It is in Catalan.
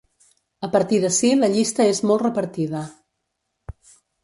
A partir d’ací la llista és molt repartida.